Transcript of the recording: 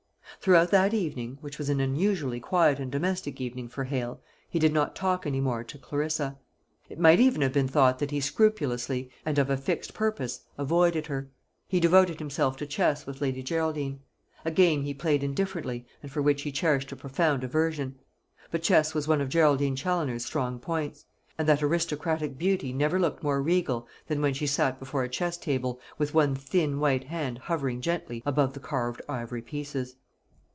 Throughout that evening, which was an unusually quiet and domestic evening for Hale, he did not talk any more to Clarissa. It might even have been thought that he scrupulously, and of a fixed purpose, avoided her. He devoted himself to chess with Lady Geraldine; a game he played indifferently, and for which he cherished a profound aversion. But chess was one of Geraldine Challoner's strong points; and that aristocratic beauty never looked more regal than when she sat before a chess table, with one thin white hand hovering gently above the carved ivory pieces.